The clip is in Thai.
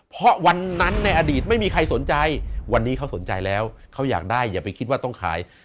เพราะวันนั้นในอดีตไม่มีใครสนใจวันนี้เขาสนใจแล้วเขาอยากได้อย่าไปคิดว่าต้องขาย